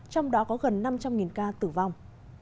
trong đó có gần năm trăm linh ca tử vong